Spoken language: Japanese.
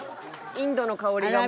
インドの香りがもう。